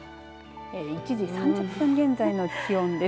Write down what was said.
１時３０分現在の気温です。